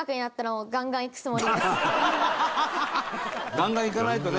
ガンガン行かないとね！